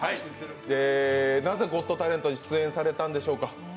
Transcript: なぜ「ゴット・タレント」に出演されたんでしょうか？